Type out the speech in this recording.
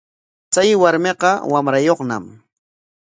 Chay warmiqa wamrayuqñam.